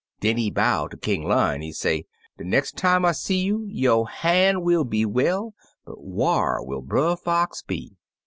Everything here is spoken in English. Den he bow ter King Lion; he say, *De nex' time I see 5rou 5^0' han' will be well, but whar will Brer Fox be?'